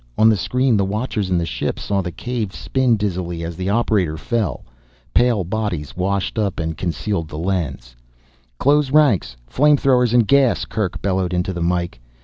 On the screen the watchers in the ship saw the cave spin dizzily as the operator fell. Pale bodies washed up and concealed the lens. "Close ranks flame throwers and gas!" Kerk bellowed into the mike.